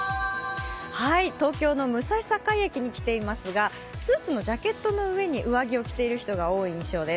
東京の武蔵境駅に来ていますがスーツのジャケットの上に上着を着ている人が多い印象です。